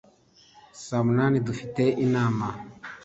Saa munani dufite inama